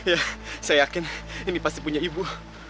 ya saya yakin ini pasti punya ibu